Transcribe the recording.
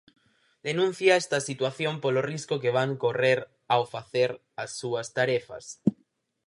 Denuncia esta situación polo risco que van correr ao facer as súas tarefas.